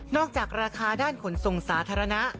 จากราคาด้านขนส่งสาธารณะ